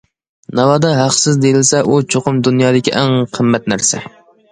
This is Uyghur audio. ناۋادا ھەقسىز دېيىلسە ئۇ چوقۇم دۇنيادىكى ئەڭ قىممەت نەرسە.